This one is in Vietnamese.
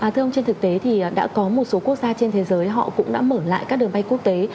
thưa ông trên thực tế thì đã có một số quốc gia trên thế giới họ cũng đã mở lại các đường bay quốc tế